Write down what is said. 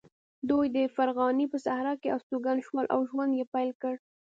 دوی د فرغانې په صحرا کې استوګن شول او ژوند یې پیل کړ.